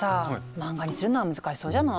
漫画にするのは難しそうじゃない？